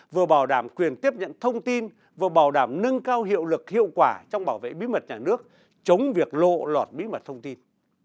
vừa bảo đảm quyền tiếp nhận thông tin vừa bảo đảm nâng cao hiệu lực hiệu quả trong bảo vệ bí mật nhà nước chống việc lộ lọt bí mật thông tin